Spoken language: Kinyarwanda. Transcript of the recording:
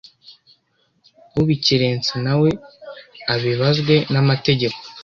ubikerensa nawe abibazwe n’amategeko